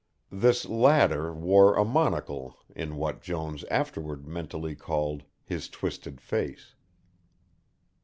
This latter wore a monocle in what Jones afterwards mentally called, "his twisted face."